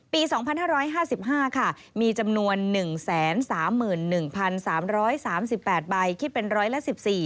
ปี๒๕๕๕ค่ะมีจำนวน๑๓๑๓๓๘ใบคิดเป็นร้อยละ๑๔